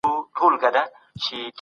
د پوهې په ګاڼه سمبال شئ.